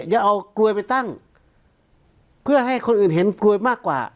อย่าเอากลวยไปตั้งเพื่อให้คนอื่นเห็นกลวยมากกว่า